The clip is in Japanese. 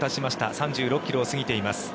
３６ｋｍを過ぎています。